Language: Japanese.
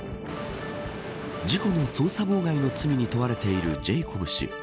事故の捜査妨害の罪に問われているジェイコブ氏。